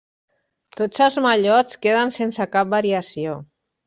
Tots els mallots queden sense cap variació.